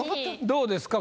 どうですか？